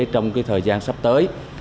trong thời gian sắp tới